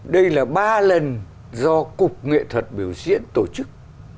đây là ba lần do cục nghệ thuật biểu diễn tổ chức